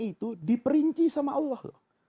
itu diperinci sama allah